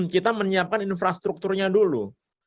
kita menyiapkan infrastrukturnya dulu